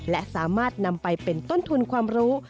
และสามารถนำไปเป็นต้นทุนความรู้